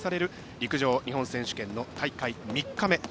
陸上日本選手権の大会３日目。